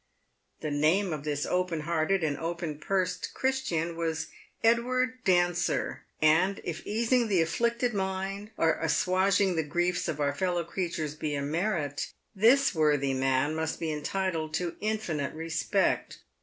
The name of this open hearted and open pursed Christian was Edward Dancer, and, if easing the afflicted mind, or assuaging the griefs of our fellow creatures be a merit, this worthy man must be entitled to infinite respect.